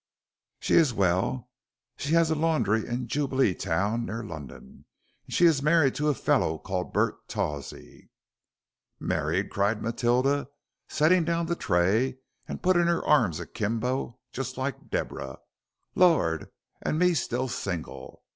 "She is well; she has a laundry in Jubileetown near London, and she is married to a fellow called Bart Tawsey." "Married!" cried Matilda, setting down the tray and putting her arms akimbo, just like Deborah, "lor', and me still single.